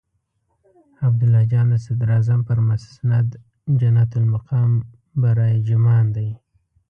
عبدالله جان د صدراعظم پر مسند جنت المقام براجمان دی.